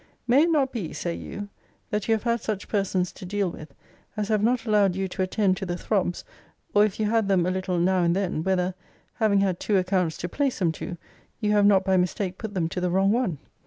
'May it not be,' say you, 'that you have had such persons to deal with, as have not allowed you to attend to the throbs; or if you had them a little now and then, whether, having had two accounts to place them to, you have not by mistake put them to the wrong one?'